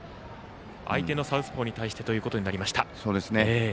相手のサウスポーに対してということになりました。